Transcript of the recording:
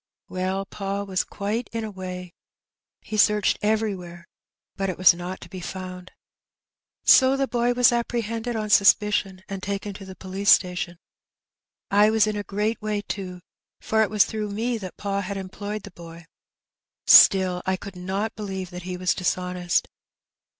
Well, pa was quite in a way. He searched everywhere, but it was not to be found. So the boy was apprehended on suspicion, and taken to the police station. I was in a great way, too, for it was through me that pa had em ployed the boy; still, I could not believe that he was dishonest.